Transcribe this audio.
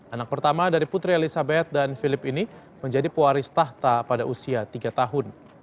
anak pertama dari putri elizabeth dan philip ini menjadi pewaris tahta pada usia tiga tahun